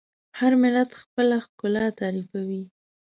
هر ملت خپله ښکلا تعریفوي.